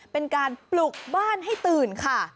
เป็นการปลุกบ้านให้ตื่นค่ะ